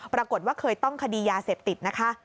ปรากฏว่าเคยต้องคดียาเสพติดนะคะ